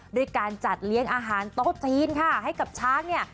ด้วยการจัดเลี้ยงอาหารโต๊ะจีนค่ะให้กับช้างเนี่ย